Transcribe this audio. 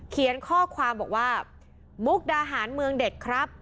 เขียนข้อความบอกว่า